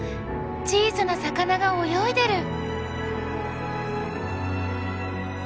小さな魚が泳いでる！